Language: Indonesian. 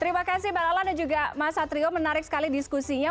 terima kasih mbak lala dan juga mas satrio menarik sekali diskusinya